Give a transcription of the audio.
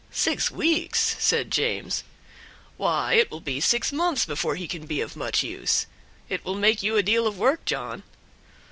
"Six weeks!" said James; "why, it will be six months before he can be of much use! It will make you a deal of work, John."